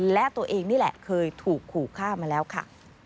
และตัวเองนี่แหละเคยถูกขู่ฆ่ามาแล้วค่ะ